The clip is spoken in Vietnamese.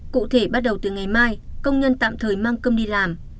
cụ thể bắt đầu từ ngày mai công nhân tạm thời mang công đi làm